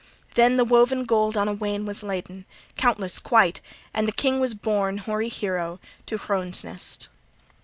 Then the woven gold on a wain was laden countless quite! and the king was borne, hoary hero, to Hrones Ness.